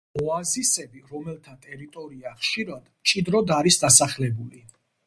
ოაზისები, რომელთა ტერიტორია ხშირად მჭიდროდ არის დასახლებული.